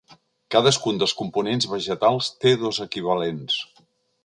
Cadascun dels components vegetals té dos equivalents.